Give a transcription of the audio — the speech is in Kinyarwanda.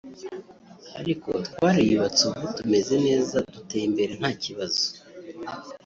ariko twariyubatse ubu tumeze neza duteye imbere nta kibazo